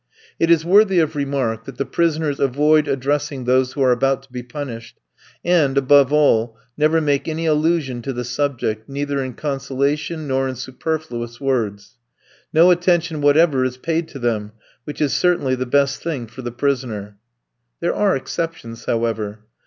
It is worthy of remark that the prisoners avoid addressing those who are about to be punished, and, above all, never make any allusion to the subject, neither in consolation nor in superfluous words. No attention whatever is paid to them, which is certainly the best thing for the prisoner. There are exceptions, however.